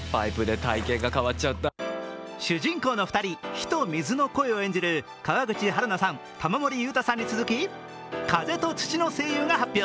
主人公の２人火と水の声を演じる川口春奈さん、玉森裕太さんに続き、風と土の声優が発表。